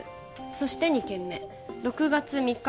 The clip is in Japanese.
そして２件目６月３日